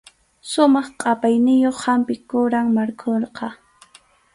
Sumaq qʼapayniyuq hampi quram markhuqa.